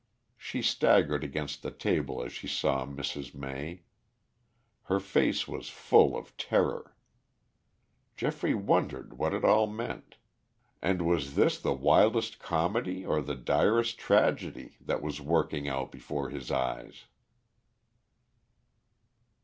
She staggered against the table as she saw Mrs. May. Her face was full of terror. Geoffrey wondered what it all meant. And was this the wildest comedy or the direst tragedy that was working out before his eyes?